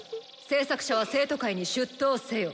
製作者は生徒会に出頭せよ」。